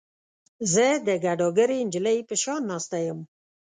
زه د ګداګرې نجلۍ په شان ناسته یم.